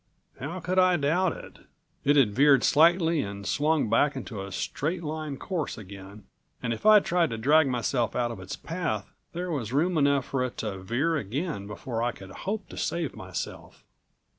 How could I doubt it? It had veered slightly and swung back into a straight line course again, and if I'd tried to drag myself out of its path there was room enough for it to veer again before I could hope to save myself.